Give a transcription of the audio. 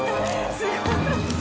すごい。